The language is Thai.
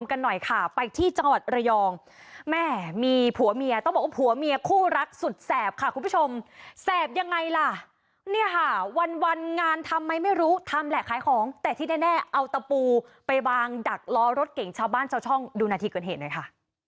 กันหน่อยค่ะไปที่จังหวัดระยองแม่มีผัวเมียต้องบอกว่าผัวเมียคู่รักสุดแสบค่ะคุณผู้ชมแสบยังไงล่ะเนี่ยค่ะวันวันงานทำไหมไม่รู้ทำแหละขายของแต่ที่แน่เอาตะปูไปวางดักล้อรถเก่งชาวบ้านชาวช่องดูนาทีเกิดเหตุหน่อยค่ะ